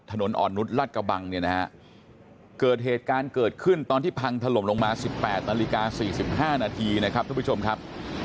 ถนนอ่อนนุษย์รัฐกระบังเนี่ยนะฮะเกิดเหตุการณ์เกิดขึ้นตอนที่พังถล่มลงมา๑๘นาฬิกา๔๕นาทีนะครับทุกผู้ชมครับ